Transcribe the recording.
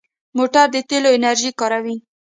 موټر د تېلو انرژي کاروي.